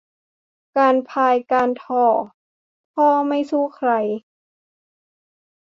การพายการถ่อ พ่อไม่สู้ใคร